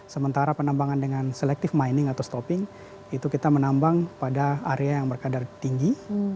sementara penambangan dengan selective mining atau stopping itu kita menambang pada area yang berkadar tinggi